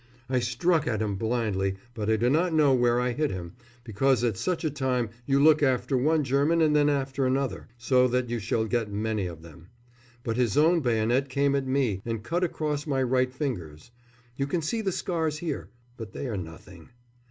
I struck at him blindly, but I do not know where I hit him, because at such a time you look after one German and then after another, so that you shall get many of them; but his own bayonet came at me and cut across my right fingers. You can see the scars here but they are nothing.